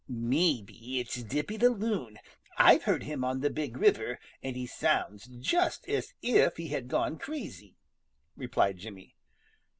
"Maybe it's Dippy the Loon. I've heard him on the Big River, and he sounds just as if he had gone crazy," replied Jimmy.